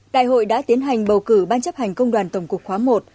đại hội đã tiến hành bầu cử ban chấp hành công đoàn tổng cục khóa i